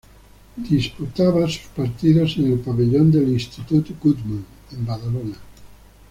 Disputaba sus partidos en el pabellón del Institut Guttmann, en Badalona.